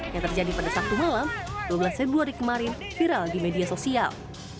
yang terjadi pada sabtu malam dua belas februari kemarin viral di media sosial